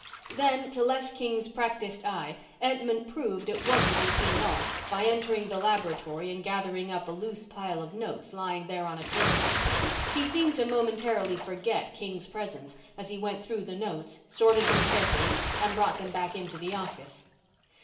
Then, to Les King's practiced eye, Entman proved it wasn't routine at all by entering the laboratory and gathering up a loose pile of notes lying there on a table. He seemed to momentarily forget King's presence as he went through the notes, sorted them carefully, and brought them back into the office.